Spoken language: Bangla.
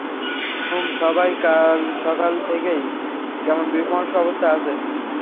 হুম, সবাই সকাল থেকেই কেমন বিমর্ষ অবস্থায় আছে!